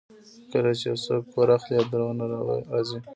کله چې یو څوک کور اخلي، یادونه راځي.